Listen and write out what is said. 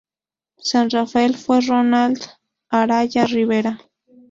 San Rafael fue Ronald Araya Rivera.